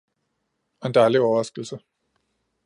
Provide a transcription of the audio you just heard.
Og en dejlig overraskelse